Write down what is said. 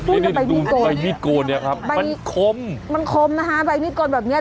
อุ๊ยแล้วใบมีดโกนมันคมมันคมนะคะใบมีดโกนแบบนี้